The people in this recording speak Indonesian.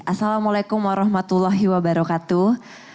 assalamualaikum warahmatullahi wabarakatuh